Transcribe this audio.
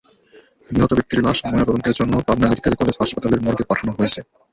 নিহত ব্যক্তির লাশ ময়নাতদন্তের জন্য পাবনা মেডিকেল কলেজ হাসপাতালের মর্গে পাঠানো হয়েছে।